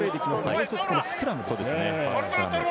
もう１つスクラムですね。